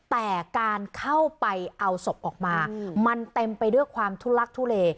แต่การเข้าไปเอาศพออกมามันเต็มไปด้วยความทุลักทุเล